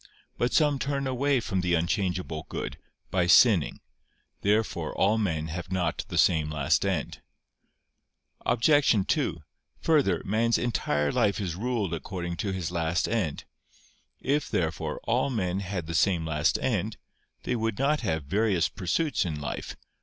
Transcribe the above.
But some turn away from the unchangeable good, by sinning. Therefore all men have not the same last end. Obj. 2: Further, man's entire life is ruled according to his last end. If, therefore, all men had the same last end, they would not have various pursuits in life.